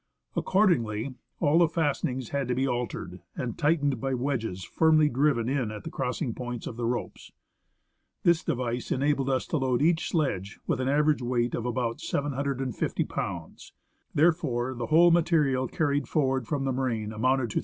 Accordingly, all the fastenings had to be altered, and tightened by wedges firmly driven in at the crossing points of the ropes. This device enabled us to load each sledge with an average weight of about 750 lbs. ; therefore the whole material carried forward from the moraine amounted to 3,000 lbs.